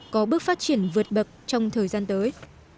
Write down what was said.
có bước phát triển vượt bậc trong thời gian tới